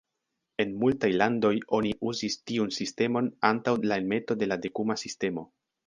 En multaj landoj oni uzis tiun sistemon antaŭ la enmeto de la dekuma sistemo.